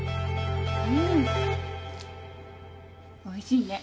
おいしい。